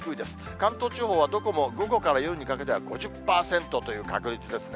関東地方はどこも午後から夜にかけては５０％という確率ですね。